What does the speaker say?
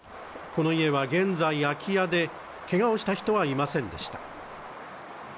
この家は現在空き家でけがをした人はいませんでした。